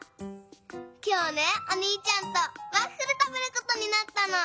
きょうねおにいちゃんとワッフルたべることになったの。